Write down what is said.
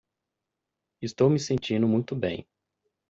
Estou me sentindo muito bem.